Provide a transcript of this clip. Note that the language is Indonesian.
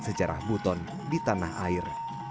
sejarah buton di tanah air